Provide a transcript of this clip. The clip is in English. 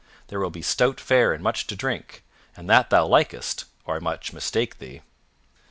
There will be stout fare and much to drink, and that thou likest, or I much mistake thee."